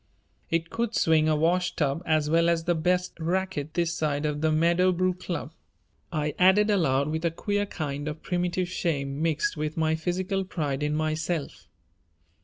"It could swing a wash tub as well as the best racquet this side of the Meadowbrook Club," I added aloud with a queer kind of primitive shame mixed with my physical pride in myself.